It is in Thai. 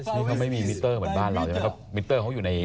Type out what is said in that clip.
นี่ก็ไม่มีมิเตอร์เหมือนบ้านเรามิเตอร์เขาอยู่ในแอป